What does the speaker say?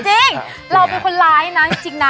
จริงเรามีคนร้ายนั้นจริงนะ